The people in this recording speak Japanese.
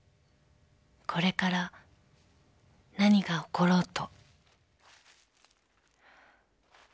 ［これから何が起ころうと］